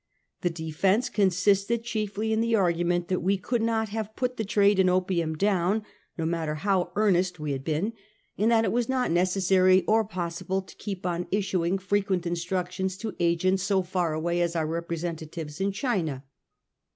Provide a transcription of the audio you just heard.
The defence consisted chiefly in the argument that we could not have put the trade in opium down, no matter how earnest 1840. THE DEFENCE OF THE GOVERNMENT. 177 ■we had been, and that it was not necessary or possible to keep on issuing frequent instructions to agents so far away as our representatives in China.